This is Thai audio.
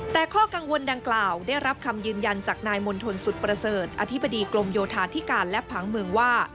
แต่ข้อกังวลดังกล่าวได้รับคำยืนยันจากนายมณฑลสุดประเสริฐอธิบดีกรมโยธาธิการและผังเมืองว่า